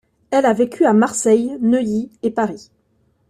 Elle a vécu à Marseille, Neuilly et Paris.